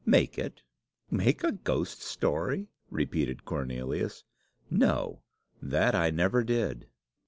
"Make it! Make a ghost story!" repeated Cornelius. "No; that I never did."